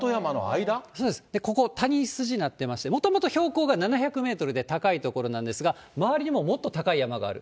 そうです、で、ここ、谷筋になってまして、もともと標高が７００メートルで高い所なんですが、周りにももっと高い山がある。